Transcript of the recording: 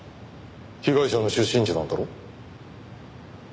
被害者の出身地なんだろ。